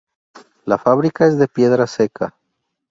La fábrica es de piedra seca.